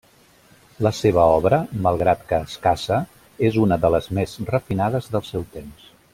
La seva obra, malgrat que escassa, és una de les més refinades del seu temps.